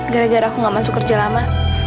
gara gara aku gak masuk kerja lama